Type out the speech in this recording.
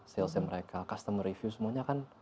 sales nya mereka customer review semuanya kan